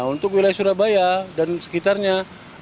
untuk wilayah surabaya dan sekitarnya